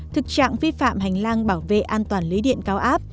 thực trạng vi phạm hành lang bảo vệ an toàn lưới điện cao áp